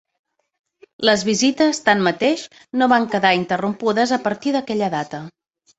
Les visites, tanmateix, no van quedar interrompudes a partir d'aquella data.